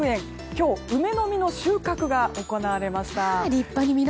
今日、梅の実の収穫が行われました。